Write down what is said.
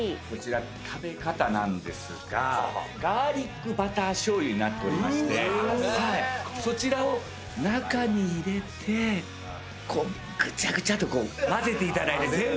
こちら食べ方なんですがガーリックバターしょうゆになっておりましてそちらを中に入れてぐちゃぐちゃっとこうまぜていただいて。